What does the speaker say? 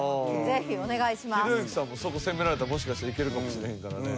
ひろゆきさんもそこ攻められたらもしかしたらいけるかもしれへんからね。